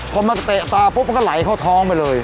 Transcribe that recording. พอมาเตะตาปุ๊บมันก็ไหลเข้าท้องไปเลย